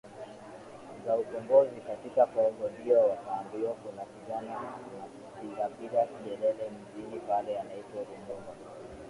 za ukombozi katika Kongo ndio wakaambiwa kuna kijana anapigapiga kelele mjini pale anaitwa Lumumba